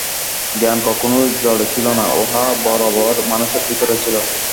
জ্ঞান কখনও জড়ে ছিল না, উহা বরাবর মানুষের ভিতরেই ছিল।